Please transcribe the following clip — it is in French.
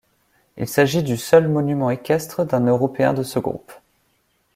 Il s'agit du seul monument équestre d'un européen de ce groupe.